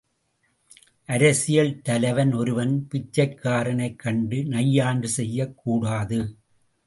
அரசியல் தலைவன் ஒருவன் பிச்சைக்காரனைக் கண்டு நையாண்டி செய்யக்கூடாது!